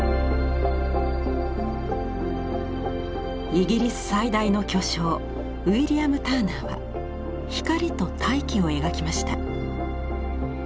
イギリス最大の巨匠ウィリアム・ターナーは光と大気を描きました。